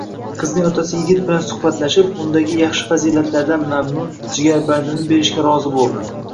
Qizning otasi yigit bilan suhbatlashib, undagi yaxshi fazilatlardan mamnun, jigarbandini berishga rozi bo'ldi